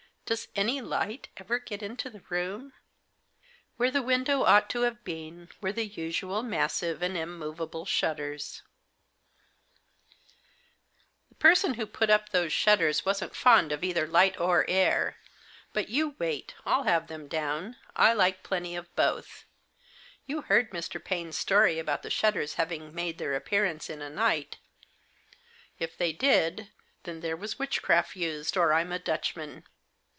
" Does any light ever get into the room ?" Where the window ought to have been were the usual massive and immovable shutters. Digitized by THE BACfc DOOft KEY. 69 " The person who put up those shutters wasn't fond of either light or air. But you wait, I'll have them down, I like plenty of both. You heard Mr. Paine's story about the shutters having made their appearance in a night? If they did, then there was witchcraft used, or Fm a Dutchman.